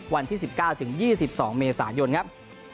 วันที่๑๙ถึง๒๒เมษายนครับ